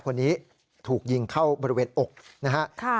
คนนี้ถูกยิงเข้าบริเวณอกนะฮะ